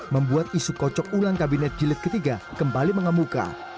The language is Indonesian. membuat isu kocok ulang kabinet jilid ketiga kembali mengemuka